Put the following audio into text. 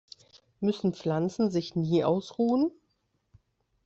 Müssen Pflanzen sich nie ausruhen?